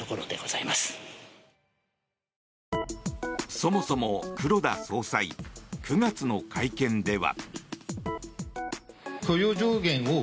そもそも黒田総裁９月の会見では。